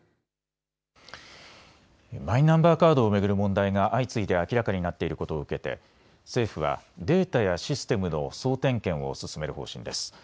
マイナンバーカードを巡る問題が相次いで明らかになっていることを受けて政府はデータやシステムの総点検を進める方針です。